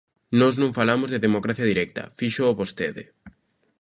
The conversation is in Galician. Nós non falamos de democracia directa, fíxoo vostede.